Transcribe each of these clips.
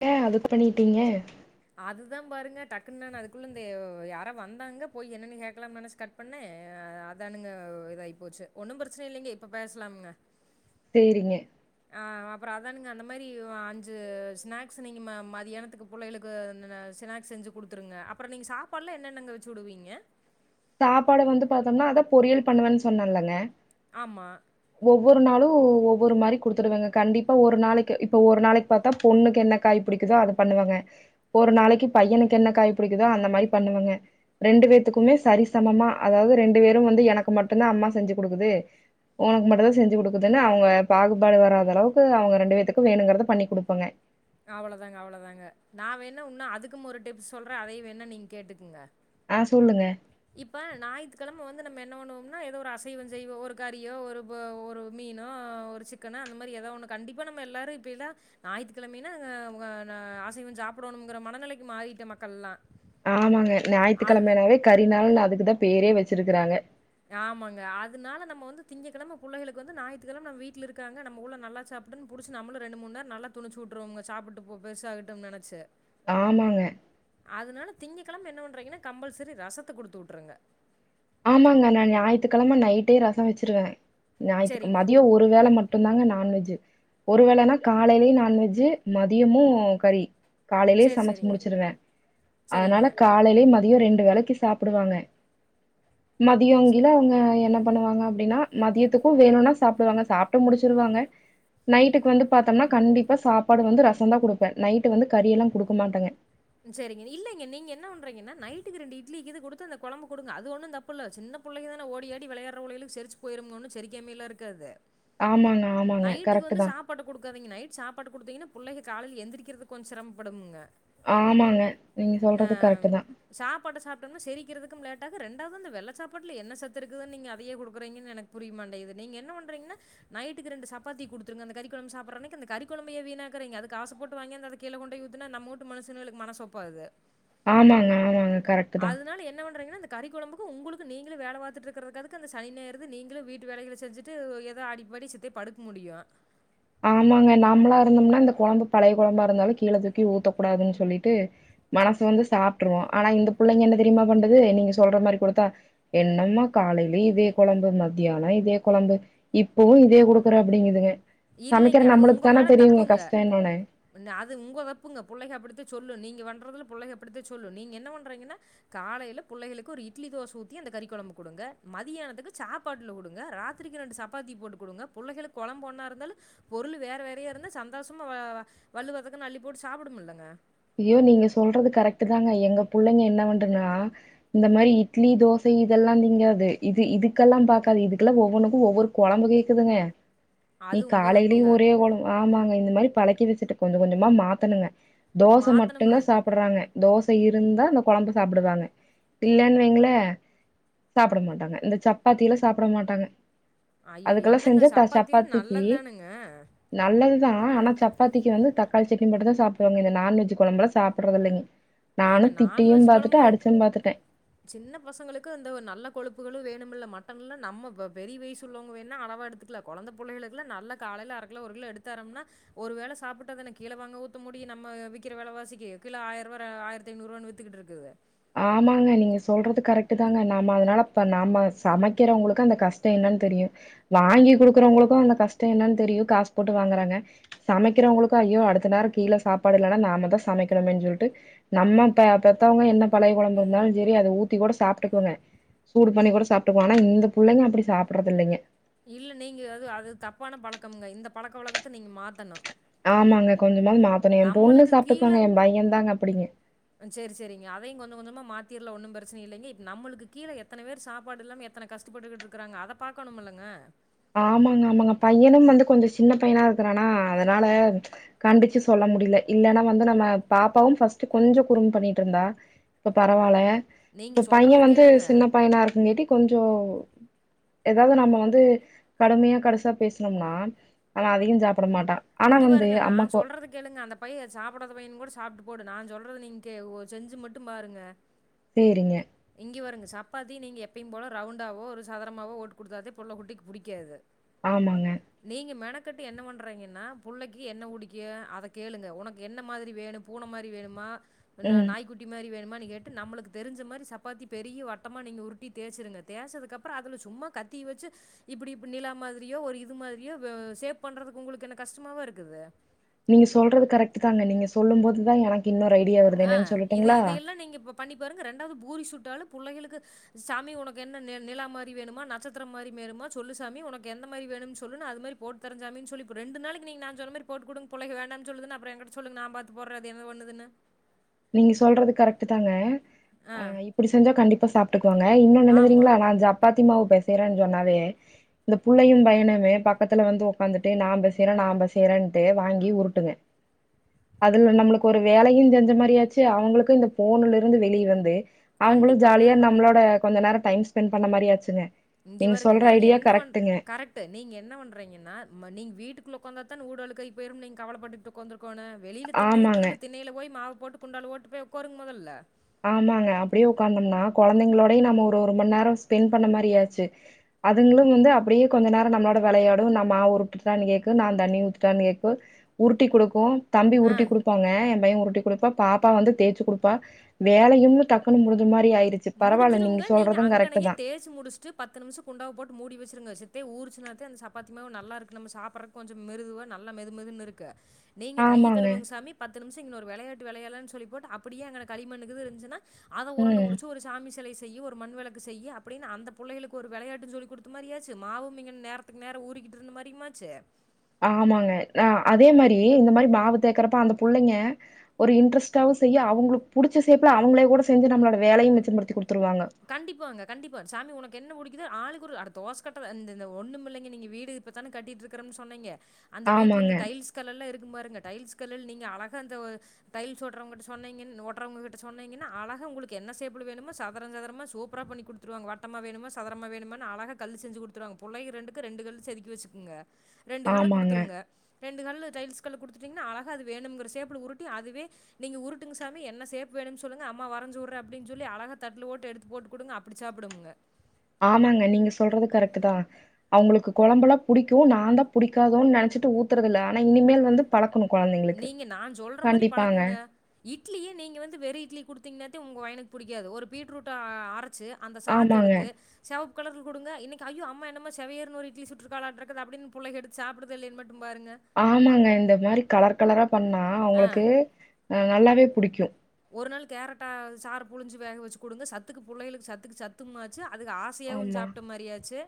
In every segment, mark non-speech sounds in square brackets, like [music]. த்த அதுக்கு பண்ணிட்டீங்க அதுதா பாருங்க டக்குன்னானு அதுக்குள்ள இந்த யாரா வந்தாங்க போய் என்னன்னு கேக்கலா நெனச்சு கட் கட் பண்ண அதானுங்க இதாயி போச்சு ஒன்னு பிரச்சனை இல்லைங்க இப்ப பேசலாம்ங்க சேரிங்க ஆ அப்றோ அதானுங்க அந்த மாரி அஞ்சு ஸ்நாக்ஸ்சு நீங்க ம மதியானத்துக்கு புள்ளைகுளுக்கு இந்த ஸ்னாகஸ் செஞ்சு குடுத்துருங்க அப்றோ நீங்க சாப்பாடுலா என்னென்னங்க வச்சு உடுவிங்க சாப்பாடு வந்து பாத்தம்னா அதா பொறியல் பண்ணுவேன் சொன்னல்லங்க ஆமா ஒவ்வொரு நாளு ஒவ்வொரு மாரி குடுத்துருவங்க கண்டிப்பா ஒரு நாளைக்கு இப்ப ஒரு நாளைக்கு பாத்தா பொண்ணுக்கு என்ன காய் புடிக்குதோ அத பண்ணுவேங்க ஒரு நாளைக்கு பையனுக்கு என்ன காய் புடிக்குதோ அந்த மாரி பண்ணுவேங்க ரெண்டு பேத்துக்குமே சரி சம சமமா அதாது ரெண்டு பேரு வந்து எனக்கு மட்டுந்தா அம்மா செஞ்சு குடுக்குது உனக்கு மட்டுந்தான் செஞ்சு குடுக்குதுனு அவுங்க பாகுபாடு வராத அளவுக்கு அவுங்க ரெண்டு பேத்துக்கு வேணுங்கறத பண்ணி குடுப்பங்க அவள தாங்க அவள தாங்க நா வேண்னா இன்னு அதுக்கு ஒரு டிப்ஸ் சொல்ற அதையு வேண்னா நீங்க கேட்டுக்குங்க ஆ சொல்லுங்க இப்ப ஞாயித்துக்கெழம வந்து நம்ம என்ன பண்ணுவோம்னா எதோ ஒரு அசைவோ செய்வோ ஒரு கறியோ ஒரு இப்போ ஒரு மீனோ ஒரு சிக்கனோ அந்த மாரி எதாவொண்ணு கண்டிப்பா நம்ம எல்லாரு இப்பெதா ஞாயித்துக்கெழமைன்னா வ அ நா அசைவோ சாப்டோணுங்குற மனநிலைக்கு மாறிட்ட மக்கள்லா ஆமாங்க ஞாயித்துக்கெழமையானாவே கரிநாள் அதுக்குதா பேரே வச்சிருக்குறாங்க ஆமாங்க அதனால நம்ம வந்து திங்ககெழம புள்ளைகளுக்கு வந்து ஞாயித்துகெழம நம வீட்ல இருக்காங்க நம்ம புள்ள நல்லா சாப் புடுன் புடிச்சி நம்மளு ரெண்டு மூணு நேரோ நல்லா துனிச்சு வுட்ருவோங்க சாப்புட்டு போ பெருசாகட்டும்னு நெனச்சு ஆமாங்க அதனால திங்ககெழம என்ன பண்றீங்கன்னா கம்பல்செரி ரசத்த குடுத்து வுட்ருங்க ஆமாங்க நா ஞாயித்துக்கெழம நைட்டே ரசோ வச்சிருவே ஞாயித்துக் சரிங்க. மதியோ ஒரு ம ஒரு வேல மட்டுந்தாங்க நான்வெஜ்ஜு ஒரு வேளைனா காலைலியு நான்வெஜு மதியமு கறி காலைலே சரி, சமைச்சி சரிங்க. முடிச்சிருவே சரிங்க. அதனால காலைல மதியோ ரெண்டு வேலைக்கி சாப்டுவாங்க மதியங்கிழ அவுங்க என்ன பண்ணுவாங்க அப்டின்னா மதியத்துக்கு வேணுனா சாப்டுவாங்க சாப்ட்டு முடிச்சிருவாங்க நைட்டுக்கு வந்து பாத்தம்னா கண்டிப்பா சாப்பாடு வந்து ரசந்தா குடுப்பே நைட்டு வந்து கறியல்லா குடுக்க மாட்டங்க செரிங்க இல்லங்க நீங்க என்ன பண்றீங்கன்னா நைட்டுக்கு ரெண்டு இட்லி கிது குடுத்து அந்த கொழம்பு குடுங்க அது ஒன்னு தப் புல்ல சின்ன புள்ளைக தான ஓடியாடி வெளயாட்ற புள்ளைகளுக்கு செரிச்சு போயிருங்க ஒன்னு செரிக்காமையெல்லா இருக்காது ஆமாங்க, ஆமாங்க. நைட்டுக்கு கரெக்ட்டு வந்து தான். சாப் சாப்பாடு குடுக்காதீங்க நைட் சாப்பாடு குடுத்திங்னா புள்ளைக காலைல எந்திரிக்கறது கொஞ்சோ சிரம்மபடுமுங்க ஆமாங்க நீங்க ஆ சொல்றது கரெக்ட்டு தான். சாப்பாட்ட சாப்ட்டம்னா செரிக்கறதுக்கும் லேட்டாகு ரெண்டாவது அந்த வெள்ள சாப்பாட்டுல என்ன சத்து இருக்குதுன் நீங்க அதயே குடுக்கறீங்கன் எனக் புரியமாட்டிங்குது நீங்க என்ன பண்றீங்னா நைட்டுக்கு ரெண்டு சப்பாத்தி குடுத்துருங்க அந்த கறி கொழம்பு சாப்பற்ற அன்னிக்கு அந்த கறி கொழம்பு ஏன் வீணாக்கறீங்க அது காசு போட்டு வாங்கியாந்து கீழ கொண்டி போய் ஊத்னா நம்ம வூட்டு மனுசங்களுக்கு மனசு ஒப்பாதுக ஆமாங்க, ஆமாங்க. கரெக்ட்டு தான். அதுனால என்ன வண்றீங்னா இந்த கறிகொழம்புக்கு உங்குளுக்கு நீங்களே வேல பாத்துட்ருக்கற்துக்கு அதுக்கு அந்த சனி ஞாயிருது நீங்களே வீட்டு வேலைகள செஞ்சுட்டு எதோ ஆடிப்பாடி சித்தே படுக்க முடியு ஆமாங்க நம்மளா இருந்தோம்னா இந்த கொழம்பு பழைய கொழம்பா இருந்தாலு கீழ தூக்கி ஊத்தக்கூடாதுன் சொல்லிட்டு மனசு வந்து சாப்ட்ருவோ ஆனா இந்த புள்ளைக என்ன தெரிமா பண்ணுது நீங்க சொல்ற மாரி குடுத்தா என்னம்மா காலைலியு இதே கொழம்பு மத்யானோ இதே கொழம்பு இப்பவு இதே குடுக்குற அப்டிங்குதுங்க இல்லைங்க அது உங்க மேல தப்புங்க கஷ்டம் என்னன்னு. ன அது உங்க தப்புங்க புள்ளைக அப்படித்த சொல்லு நீங்க வண்றதுல புள்ளைக அப்படிதா சொல்லு நீங்க என்ன பண்றீங்கன்னா காலையில் புள்ளைகளுக்கு ஒரு இட்லி தோச ஊத்தி அந்த கறி கொழம்பு குடுங்க மதியானத்துக்கு சாப் பாட்ல குடுங்க ராத்திரிக்கு ரெண்டு சப்பாத்தி போட்டு குடுங்க புள்ளைகளுக் கொழம்பொன்னாருக் ந்தாலு பொருளு வேற வேறையா இருந்தா சந்தோஷமா வ வள்ளுவதக்குன்னு அள்ளி போட்டு சாப்புடுமுல்லங்க ஐயோ நீங்க சொல்றது கரெக்ட்டு தாங்க எங்க புள்ளைங்க என்ன பண்றன்னா இந்த மாரி இட்லி தோசை இதெல்லா திங்கர்து இது இதுக்கெல்லா பாக்காது இதுக்கெல்லா ஒவ்வொனுக்கு ஒவ்வொரு கொழம்பு கேக்குதுங்க நீ அது உங்க காலைலியு தப்புங்க. ஒரே கொழம்பு ஆமாங்க இந்த மாரி பழக்கி வெச்சுட்டு கொஞ்ச கொஞ்சமா மாத்தணுங்க தோச மாத்தணும்ங்க. மட்டுந்தா சாப் பற்றாங்க தோச இருந்தா அந்த கொழம்பு சாப்டுவாங்க இல்லன் வைங்களே சாப்பட மாட்டாங்க இந்த சப்பாத்தியிலா சாப்பட மாட்டாங்க ஐயோ! அதுக்கல்லா என்னங்க செஞ்சா சப்பாத்திலும் சப்பாத்திக்கி நல்லதுதானுங்க. நல்லது தா ஆனா சப்பாத்திக்கு வந்து தக்காளி சட்னி மட்டு தா சாப்பிடுவாங்க [inaudible] நான்வெஜ்ஜு கொழம்பல்ல சாப்பற்றது இல்லைங்க நானு ஏங்க திட்டியும் நான்வெஜ் பாத்துட்டே குழம்பு அடிச்சும் பாத்துட்டே சின்ன பசங்களுக்கு இந்த ஒ நல்ல கொழுப்புகளு வேணும்மல்ல மட்டன்ல்லா நம்ம வ பெரிய வயசு உள்ளவங்க வேன்னா அளவா எடுத்துக்கலா கொழந்த புள்ளைகளுக்குல நல்ல காலையில அரக்கிலோ ஒரு கிலோ எடுத்தாரம்னா ஒரு வேல சாப்புட்டதானே கீழ வாங்க ஊத்த முடியு நம்ம விக்கிற வெல வாசிக்கு கிலோ ஆயிரரூவா ஆயிரத்ஐநூறுவான் வித்துக்கிட்டு இருக்குது ஆமாங்க நீங்க சொல்றது கரெக்ட்டு தாங்க நாம அதனாலப்ப நாம சமைக்கிறவங்களுக்கு அந்த கஷ்ட என்னன் தெரியு வாங்கி குடுக்குறவங்களுக்கு அந்த கஷ்ட என்னன் தெரியு காசு போட்டு வாங்குறாங்க சமைக்கிறவங்களுக்கு ஐயோ அடுத்த நேர கீழே சாப்படலன்னா நாமதா சமைக்கணுமேன் சொல்ட்டு நம்ம பெ பெத்தவங்க என்ன பழைய கொழம்பு இருந்தால் சேரி அத ஊத்தி கூட சாப்ட்டுக்குவெங்க சூடு பண்ணி கூட சாப்ட்டுகுவோ ஆனா இந்த புள்ளைங்க அப்படி சாப்பற்றது இல்லைங்க இல்ல நீங்க அது அது தப்பான பழக்கம்ங்க இந்த பழக்க வழக்கத்த நீங்க மாத்தணு ஆமாங்க கொஞ்சமாது மாத்தணு என் பொண்ணு சாப்ட்டுக்குவாங்க என் பைய தாங்க அப்படிங்க அ செரி செரிங்க அதைங் கொஞ்ச கொஞ்சமா மாத்திர்லா ஒன்னும் பிரச்சனை இல்லைங்க இப் நம்மளுக்கு கீழே எத்தன வேரு சாப்பாடு இல்லாம எத் எத்தன கஷ்டப்பட்டுக்கிட்டு இருக்காங்க அத பாக்கணுமல்லங்க ஆமாங்க ஆமாங்க பையனும் வந்து கொஞ்ச சின்ன பையனா இருக்கிறானா அதனால கண்டிச்சு சொல்ல முடில்ல இல்லன்னா வந்து நம்ம பாப்பாவும் ஃபஸ்ட்டு கொஞ்சோ குறும் பண்ணிட்ருந்தா இப்ப பரவால்ல நீங்க இப்ப பைய சொல்றது வந்து கேளுங்க. சின்ன பையனா இருக்குங்கட்டி கொஞ்சோ எதாவது நம்ம வந்து கடுமையா கடைசா பேசுனோம்னா அவ அதையு சாப்பட மாட்டா ஆனா இங்க வந்து பாருங்க நா அம்மாக்கோ சொல்றதுக் கேளுங்க அந்த பைய சாப்படாத பையன் கூட சாப்ட்டு போடு நா சொல்றது நீங் கே செஞ்சு மட்டு பாருங்க சேரிங்க இங்க பாருங்க சப்பாத்தி நீங்க எப்பயும் போல ரவுண்டாவோ ஒரு சதரமாவோ ஓட்டுக் குடுத்தாதே புள்ள குட்டிக் புடிக்காது ஆமாங்க நீங்க மெனக்கட்டு என்ன பண்றீங்க னா புள்ளைக்கு என்ன புடிக்கு அத கேளுங்க உனக்கு என்ன மாதிரி வேணு பூன மாரி வேணுமா என்ன ம் நாய்குட்டி மாரி வேணுமான்னு கேட்டு நம்மளுக்கு தெரிஞ்ச மாரி சப்பாத்தி பெரிய வட்டமா நீங்க உருட்டி தேய்சிருங்க தேசதுக்கப்புற அதுல சும்மா கத்தி வெச்சு இப்படி நிலா மாதிரியோ ஒரு இது மாதிரியோ வெ சேப் பண்றதுக்கு உங்களுக்கு என்ன கஷ்டமாவா இருக்குது நீங்க சொல்றது கரெக்ட்டு தான்ன நீங்க சொல்லும் போதுதா எனக்கு இன்னொரு ஐடியா வருது ஆ என்னன் இது சொல்லட்டுங்களா இதையெல்லாம் நீங்க இப்போ பண்ணி பாருங்க ரெண்டாவது பூரி சுட்டாலு புள்ளைகளுக்கு சாமி உனக்கு என்ன நி நிலா மாரி வேணுமா நட்சத்திரோ மாரி வேணுமா சொல்லு சாமி உனக்கு எந்த மாரி வேணுனு சொல்லு நா அது மாரி போ ட்டுத்தரன் சாமி சொல்லி இப்ப ரெண்டு நாளைக்கு நீங்க நான் சொன்னமாரி போட்டு குடுங் புள்ளைங்க வேண்டான் சொல்லதுனா அப்றோ எங்கிட்ட சொல்லுங்க நா பாத்து போட்ற அது என்னபண்ணுதுனு நீங்க சொல்றது கரெக்ட்டுதாங்க ஆ புடிச்சிருந்தா கண்டிப்பா சாப்ட்டுக்குவாங்க இன்னோன்னு என்ன ஆமா. தெரியுங்ளா நா சப்பாத்தி மாவு பேசயறன்னு சொன்னாவே இந்த புள்ளயும் பயனுமே பக்கத்துல வந்து உக்காந்துட்டு நாம பேசயற நா பேசயறன்டு வாங்கி உருட்டுவன் [inaudible] அதுல நம்மளுக்கு ஒரு வேலையு செஞ்ச மாரி எப்டியாச்சு அவுங்களுக்கு இந்த ஃபோன்ல இருந்து வெளிய வந்து அவுங்களு கண்டிப்பாங்க. ஜாலியா நம்மளோட கொஞ்ச நேரோ டைம் ஸ்பெண்ட் பண்ண மாரியாச்சுங்க இங்க வாருங்க நீங்க என்ன பண் கரெக் ட்டு நீங்க என்ன வண்றீங்கன்னா நீங்க வீட்டுக்குள்ள உக்கந்தாத்தான வூடு அழுக்காய்போய்ரும்னு நீங்க கவலப்பட்டுட்டு உக்காந்துருக்கோனு வெளில திண்ண ஆமாங்க. இருக்குதல்ல திண்ணைல போயி மாவு போட்டு குண்டால போட்டு போய் உக்காருங்க மொதல்ல ஆமாங்க அப்டியே உக்காந்தம்னா கொழந்தைங்களோடயு நம்ம ஒரு ஒரு மண்நேரோ ஸ்பெண்ட் பண்ண மாரியாச்சு அதுங்களு வந்து அப்டியே கொஞ்ச நேரோ நம்ளோட வெளயாடு நா மாவு உருட்டுட்டான்னு கேக்கு நான் தண்ணி ஊத்துட்டான்னு கேக்கு உருட்டி குடுக்கு தம்பி ஆ உருட்டி குடுப்பாங்க என் பையன் உருட்டி குடுப்பான் பாப்பா வந்து தேச்சு குடுப்பா வேலையு டக்குன்னு முடுஞ்ச மாரி ஆயிரு முடிஞ்சிருங்க நீங்க அங்கனயே தே ச்சு முடிச்சுட்டு பத்து நிம்ஷோ குண்டாவ போட்டு மூடி வெச்சிருங்க சித்தே ஊருச்சுனாத்த அந்த சப்பாத்தி மாவு நல்லா இருக்கு நம்ம சாப்றக்கு கொஞ்சோ மிருதுவா நல்லா மெதுமெதுன்னு இருக்கு நீங்க கைய ஆமாங்க. கழுவுங்க சாமி பத்து நிம்ஷோ இங்கன ஒரு வெளயாட்டு வெளயாலான்னு சொல்லிபோட்டு அப்படியே அங்க களிமண்ணுகீது இருந்துச்சுன்னா அத உரண்ட ம். புடு ச்சு ஒரு சாமி செலய செய்யு ஒரு மண்வெளக்கு செய்யு அப்டின்னு அந்த புள்ளைங்களுக்கு ஒரு வெளயாட்டுன் சொல்லிக்குடுத்த மாரி ஆச்சு மாவுமிங்க நேர த்துக்கு நேரோ ஊரிக்கிட்டு இருந்த மாரியுமாச்சு ஆமாங்க நா அதே மாரி இந்த மாரி மாவு தேக்கறப்ப அந்த புள்ளைங்க ஒரு இன்ட்ரஸ்ட்டாவு செய்யு அவுங்களுக்கு புடுச்ச சேப்புல அவுங்ளே கூட செஞ்சு நம்ளோட வேலையும் மிச்சப்படுத்தி குடுத்துருவாங்க கண்டிப்பாங்க கண்டிப்பா சாமி ஒனக்கு என்ன புடிக்குதோ ஆளுக்கொரு அட தோசகட்ட இந்த இந்த ஒன்னுமில்லைங்க நீங்க வீடு இப்பதான கட்டிட்டு இருக்கறம்னு சொன்னீங்க அந்த வீட்ல ஆமாங்க, இருந்து டைல்ஸ் கல்லெல்லா இருக்கும்பாருங்க டைல்ஸ் கல்லுல நீங்க அழகா அந்த டைல்ஸ் ஒட்றவன்கிட்ட சொன்னீங் ஒட்டுறவங்கிட்ட சொன்னீங்கன்னா அழகா உங்களுக்கு என்ன சேப்புல வேணுமோ ச சதுர சதுரமா சூப்பரா பண்ணி குடுத்துருவாங்க வட்டமா வேணுமா சதுரமா வேணுமா அழகா கல்லு செஞ்சு குடுத்துருவாங்க புள்ளைக ரெண்டுக்கு ரெண்டு கல் செதுக்கி வெச்சுகுங்க ரெண்டு கல்ல ஆமாங்க. குடுத்துருங்க ரெண்டு கல்லு டைல்ஸ் கல்லு குடுத்துட்டீங்கன்னா அழகா அது வேணுங்கற சேப்புல உருட்டி அதுவே நீங்க உருட்டுங்க சாமி என்ன ஷேப் வேணுனு சொல்லுங்க அம்மா வரஞ்சுவுடுற அப்டின் சொல்லி அழகா தட்ல போட்டு எடுத்து போட்டு குடுங்க அப்டி சாப்டும்ங்க ஆமாங்க நீங்க சொல்றது கரெக்ட்டுதா அவுங்களுக்கு கொழம்பெல்லா புடிக்கு நாந்தா புடிக்காதோன்னு நெனச்சிட்டு ஊத்தறதில்ல ஆனா இனிமேல் வந்து பழக்கணு கொ நீங்க நான் சொல்ற மாரி பழக்குங்க இட்லியே நீங்க வந்து வெறு இட்லிய குடுத்தீங்கன்னாத்த உங்க பயனுக்கு புடிக்காது ஒரு பீட்ரூட்ட ஆ அர ச்சு அந்த ஆமாங்க. சாத்தெடுத்து செவப்பு கலர்ல குடுங்க இன்னிக்கு அய்யோ அம்மா என்னமோ செவேர்னு ஒரு இட்லி சுற்றுக்காலாட்டாருக்குது அப்டின்னு புள்ளைங்க எடுத்து சாப்டுதா இல்லயான்னு மட்டும் பாருங்க ஆமாங்க இந்த மாரி கலர் கலரா பண்ணா அவுங்களுக்கு நல்லாவே புடிக்கு ஒரு நாள் கேரட்டா சாரு புழுஞ்சு வேக வெச்சு குடுங்க சத்துக்கு புள்ளைகளுக்கு சத்துக்கு சத்தும் ஆச்சு அதுக ஆ ஆசயாவு ஆமா. சாப்ட மாரியாச்சு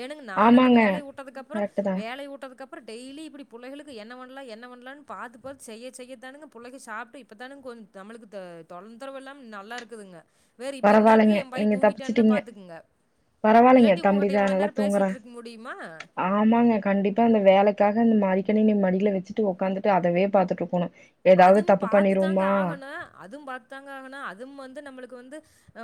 ஏனுங் நான் அந்த ஆமாங்க. வேலய வுட்டதுக்கப்றோ கரெக்ட் தான். வேலய வுட்டதுக்கப் அப்றோ டெய்லி இப்டி புள்ளைகளுக்கு என்ன பண்லா பண்லானு பாத்து பாத் செய்ய செய்யதானுங்க புள்ளைங்க சாப்ட்டு இப்பதானுங்க கொஞ் நம்முளுக்கு த தொந்தரவு இல்லாம நல்லாருக்குதுங்க வேறு இப்ப பரவாயில்லங்க. இன்னாரத்துக்கு ஏ பைய நீங்க தூங்கிட்டான்னா தப்பிச்சுட்டீங்க. பாத்துக்குங்க பரவாயில்லங்க. இல்லாட்டி தம்பி உங்ககிட்ட தான் இவ்ள நல்லா நேர பேசிட்டு தூங்குறான். இருக்க முடியுமா ஆமாங்க கண்டிப்பா அந்த வேலைக்காக இந்த மடிக்கணினி மடில வெச்சிட்டு உக்காந்து ட்டு அதவே பாத்துட்ருக்குணு அதும் பாத்து தாங்க ஆகணு அதும் பாத்து தாங்க ஆகணு அதும் வந்து நம்மளுக்கு வந்து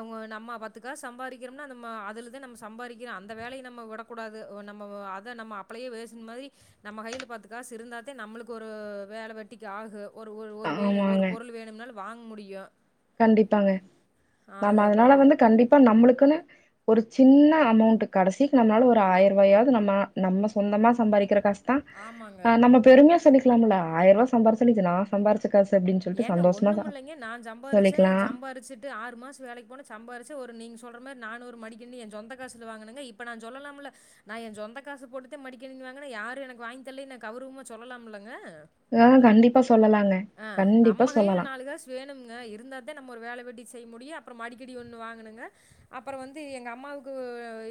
ம் நம்ம பத்துக்காஸ் சம்பாதிக்கிறோம்னா நம்ம அதுலதா நம்ம சம்பாதிக்கிறொ அந்த வேலய நம்ம விடக் கூடாது நம்ம அத நம்ம அப்லைவேசுன் மாதிரி நம்ம கையில பாத்துக்காஸ் இருந்தாத்தா நம்மளுக்கு ஒரு வேல வெட்டிக்கு ஆகு ஒரு ஒரு ஒரு வே ஒரு ஆமாங்க. பொருள் வேணும்னாலு வாங்க முடியு கண்டிப்பாங்க நம்ம அதனால அப்புறம் பா- வந்து கண்டிப் இப்ப நம்ளுக்குன்னு ஒரு சின்ன அமௌண்ட் கடசிக்கு நம்ளால ஒரு ஆயிருவாயாது நம்ம நம்ம சொந்தமா சம்பாதிக்கிற காசுதா ஆமாங்க. அ நம்மப் பெருமையா சொல்லிக்குலாமில்ல ஆயிருவா சம்பாரிச்சாலு இது நா சம்பிரிச்ச காசு அப்டின்னு சொல்ட்டு சந்தோஷமா சாப் நா சம்பாரிச்சே சம்பாரிச்சு டு ஆறு மாச வேலைக்கு போன சம்பாரிச்சு ஒரு நீங்க சொல்ற மாரி நானு ஒரு மடிக்கணினி எ சொந்த காசுல வாங்குனங்க இப்ப நா சொல்லலாம்ல நா ஏ சொந்த காசு போட்டுத்தா மடிக்கணினி வாங்குனா யாரு எனக்கு வாங்கி தர்லைனு கௌருவமா சொல்லலாமில்லங்க ஆ கண்டிப்பா சொல்லலாங்க அ கண்டிப்பா நம்ம கைல சொல்லலா நாலு காஸ் வேணும்ங்க இருந்தாதா நம்ம ஒரு வேல வெட்டி செய்ய முடியு அப்புற மடிக்கடி ஒன்னு வாங்கணங்க அப்பற வந்து எங்க அம்மாவுக்கு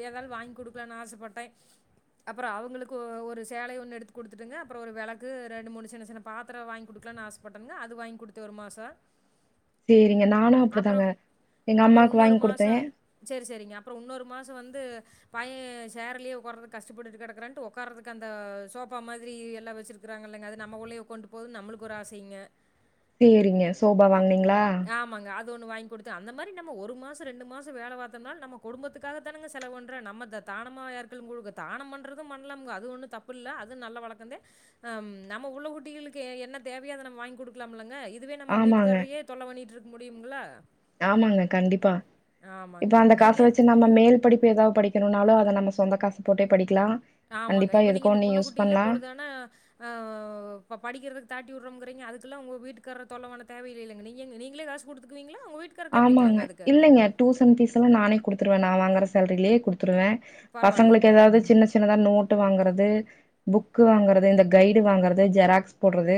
ஏதாது வாங்கி குடுக்கலானு ஆசப்பட்டே அப்பற அவங்களுக்கு ஒ ஒரு சேலைய ஒன்னு எடுத்து குடுத்துட்டுங்க அப்பற ஒரு வெளக்கு ரெண்டு மூணு சின்ன சின்ன பாத்திர வாங்கி குடு க்லானு அசப்பட்டணுங்க அது வாங்கி குடுத்தே ஒரு மாச சேரிங்க நானு அப்டிதாங்க எங்க அம்மாக்கு வாங்கி குடுத்தே சேரி செரிங்க அப்புறொ இன்னொரு மாச வந்து பைய ஷேர்லையே உக்காற்றக் கஷ்டப்பட்டுட்டு கெடக்ராண்டு ஒக்கார்றதுக்கு அந்த சோப்பா மாதிரி எல்லா வெச்சிரு க்கிறாங்கல்லங்க அது நம்ம புள்ளைங்க கொண்டு போது நம்மளுக்கு ஒரு ஆசைங்க சேரிங்க சோபா அப் வாங்னீங்ளா ஆமாங்க அது ஒன்னு வாங்கி குடுத்து அந்த மாரி நம்ம ஒரு மாச ரெண்டு மாச வேல பாத்தம்னாலு நம்ம குடும்பத்துக்காகதானுங்க செலவு பண்ற நம்ம தத் தானமா யாருக்குல் குடுக்க தானம் பண்றது பண்லாம்ங்க அது ஒண்ணு தப்பு இல்ல அது நல்ல பழக்கந்த அம் நம்ம புள்ள குட்டிகளுக்கு எ என்ன தேவையனத நம்ம வாங்கி குடுக்குலாமில்லங்க இதுவே நம்ம ஆமாங்க வீட்டுக்கார்ரையே தொல்ல பண்ணிட்டுருக் முடியும்களா ஆமாங்க கண்டிப்பா இப்ப அந்த காச நீங்கள் வெச்சு நம்ம மேல் படிப்பு எதா படிக் இருந்தாலு அத நம்ம சொந்த காச போட்டே படிக்லா ஆமாங்க இப்ப நீங்க இந்த புள்ள குட்டிலா பொழுதானா அ இப்ப படிக்கிறதுக்கு தாட்டி உட்றம்ங்குறீங்க அதக்கெல்லா உங்க வீட்டுக்கார தொல்ல பண்ண தேவயில்லைலங்க நீங்க நீங்ளே காஸ் குடுத்துக்குவீங்களா உங்க வீட்டு ஆமாங்க இல்லைங்க டூசன் ஃபீஸல்லா நானே குடுத்துருவே நா வாங்கற சேல்ரீலையே குடுத்துருவே பசங்களுக்கு பரவாயில்லைங்க. எதாவது சின்ன சி சின்னதா நோட்டு வாங்கறது புக் வாங்கறது இந்த கைடு வாங்கறது ஜெராக்ஸ் போட்றது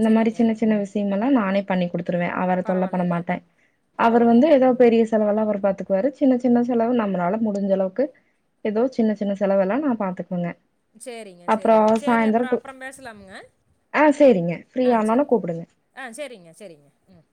இந்த மாரி சரிங்க. சின்ன சின்ன விஷயங்கல்லா நானே பண்ணி் குடுத்துருவே அவர தொல்ல பண்ண பரவாயில்லைங்க. மாட்டே அவர் வந்து பரவாயில்லைங்க. ஏதோ பெரிய செலவெல்லா அவரு பாத்துக்குவாரு சின்ன சின்ன செலவு நம்மளால முடிஞ்ச அளவுக்கு எதோ சின்ன சின்ன செலவெல்லா நா பாத்துக்குவங்க சேரிங்க சேரிங்க சேரி அப்பறோ அப்பறம் பேசலாமுங்க ஆ சேரிங்க ஃப்ரீயானாலு கூப்புடுங்க ஆ செரிங்க செரிங்க ம்